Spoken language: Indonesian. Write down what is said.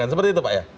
seperti itu pak ya